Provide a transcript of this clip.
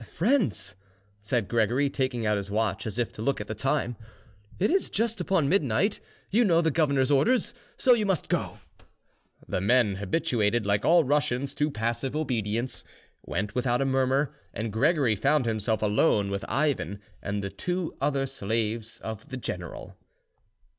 "Friends," said Gregory, taking out his watch as if to look at the time, "it is just upon midnight; you know the governor's orders, so you must go." The men, habituated like all Russians to passive obedience, went without a murmur, and Gregory found himself alone with Ivan and the two other slaves of the general.